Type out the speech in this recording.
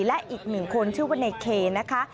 และอีกหนึ่งคนชื่อว่าในเคนะคะ